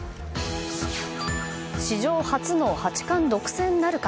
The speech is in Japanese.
史上初の八冠独占なるか。